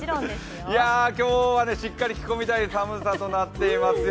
今日はしっかり着込みたい寒さとなっていますよ。